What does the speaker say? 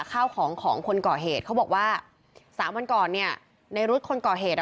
ข้าวของของคนก่อเหตุเขาบอกว่าสามวันก่อนเนี่ยในรุ๊ดคนก่อเหตุอ่ะ